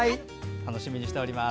楽しみにしております。